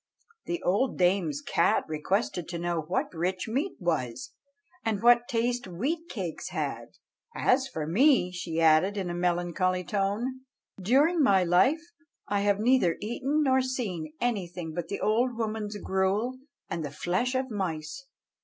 The old dame's cat requested to know what rich meat was, and what taste wheat cakes had? "As for me," she added, in a melancholy tone, "during my life I have neither eaten nor seen anything but the old woman's gruel and the flesh of mice."